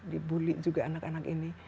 dibully juga anak anak ini